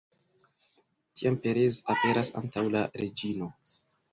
Tiam Perez aperas antaŭ la reĝino.